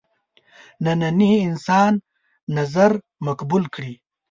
ننني انسان نظر مقبول کړي.